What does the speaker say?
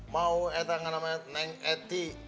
mau eta nama neng eti